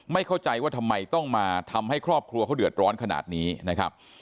เข้าใจว่าทำไมต้องมาทำให้ครอบครัวเขาเดือดร้อนขนาดนี้นะครับ